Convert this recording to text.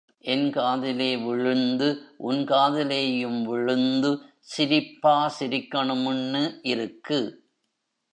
என் காதிலே விழுந்து, உன் காதிலேயும் விழுந்து சிரிப்பா சிரிக்கணும்னு இருக்கு!